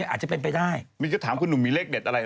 อาจจะเป็นไปได้มีจะถามคุณหนุ่มมีเลขเด็ดอะไร